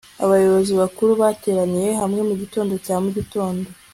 abayobozi bakuru bateranira hamwe mugitondo cya mugitondo